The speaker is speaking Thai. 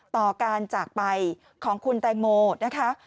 ต่อการจากไปของคุณแตงโมนะคะ